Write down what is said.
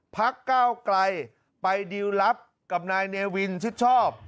พรรคเก้าไกลไปดีลรับกับนายเนวินชิดชอบ